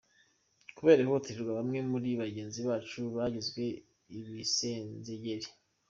Kubera ihohoterwa bamwe muri bagenzi bacu bagizwe ibisenzegeri.